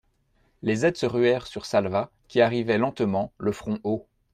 Les aides se ruèrent sur Salvat, qui arrivait lentement, le front haut.